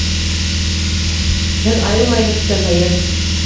Һеҙ айыу майы һөрткән һыйыр!